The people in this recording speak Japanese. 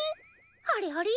あれあれ？